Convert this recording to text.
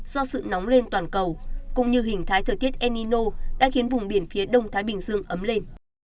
do sự nóng lên toàn cầu cũng như hình thái thời tiết enino đã khiến vùng biển phía đông thái bình dương ấm lên